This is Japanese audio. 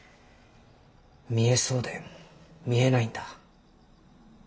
見えそうで見えないんだ。